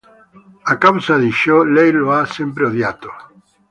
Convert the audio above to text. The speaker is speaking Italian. A causa di ciò, lei lo ha sempre odiato.